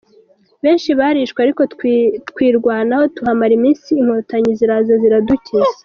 Benshi barishwe ariko twirwanaho tuhamara iminsi, inkotanyi ziraza ziradukiza.